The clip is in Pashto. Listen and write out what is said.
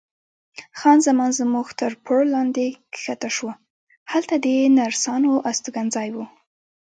خان زمان زموږ تر پوړ لاندې کښته شوه، هلته د نرسانو استوګنځای و.